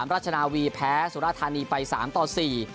รัชนาวีแพ้สุรธานีไป๓๔